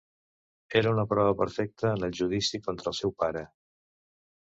Era una prova perfecta en el judici contra el seu pare.